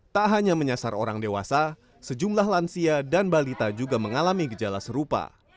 tak hanya menyasar orang dewasa sejumlah lansia dan balita juga mengalami gejala serupa